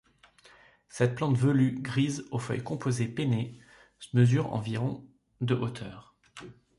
Cette plante velue, grise, aux feuilles composées pennées, mesure environ de hauteur.